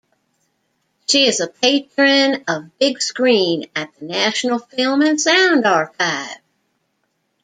She is a patron of "Big Screen" at the National Film and Sound Archive.